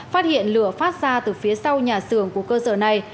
phát hiện lửa phát ra từ phía sau nhà xưởng của cơ sở này